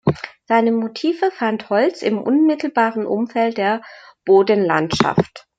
Seine Motive fand Holtz im unmittelbaren Umfeld der Boddenlandschaft.